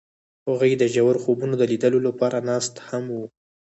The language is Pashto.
هغوی د ژور خوبونو د لیدلو لپاره ناست هم وو.